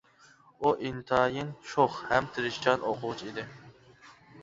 ئۇ ئىنتايىن شوخ ھەم تىرىشچان ئوقۇغۇچى ئىدى.